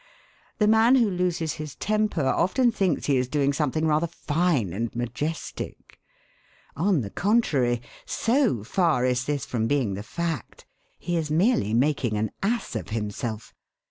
The man who loses his temper often thinks he is doing something rather fine and majestic. On the contrary, so far is this from being the fact, he is merely making an ass of himself.